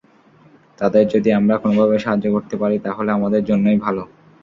তাঁদের যদি আমরা কোনোভাবে সাহায্য করতে পারি, তাহলে আমাদের জন্যই ভালো।